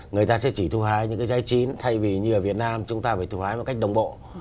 người ta sẽ chỉ thu hái những cái giá chín thay vì như ở việt nam chúng ta phải thu hái một cách đồng bộ